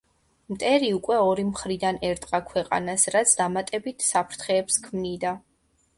მტერი უკვე ორი მხრიდან ერტყა ქვეყანას, რაც დამატებით საფრთხეებს ქმნიდა.